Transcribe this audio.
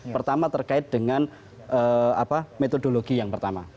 pertama terkait dengan metodologi yang pertama